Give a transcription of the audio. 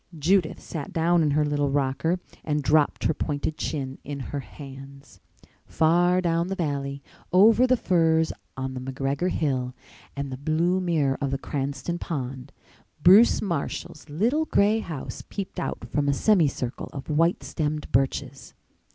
Judith sat down in her little rocker and dropped her pointed chin in her hands. Far down the valley, over the firs on the McGregor hill and the blue mirror of the Cranston pond, Bruce Marshall's little gray house peeped out from a semicircle of white stemmed birches.